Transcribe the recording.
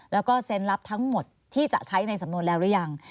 แล้วก็เซ็นรับทั้งหมดที่จะใช้ในสำนวนแล้วหรือยัง